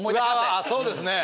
うわそうですね。